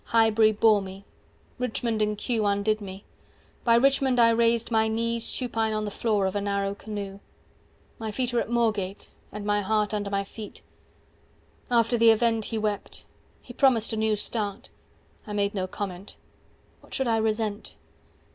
Highbury bore me. Richmond and Kew Undid me. By Richmond I raised my knees Supine on the floor of a narrow canoe." 295 "My feet are at Moorgate, and my heart Under my feet. After the event He wept. He promised 'a new start.' I made no comment. What should I resent?"